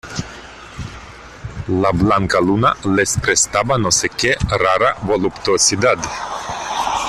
la blanca luna les prestaba no sé qué rara voluptuosidad.